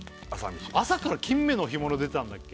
朝から金目の干物出てたんだっけ？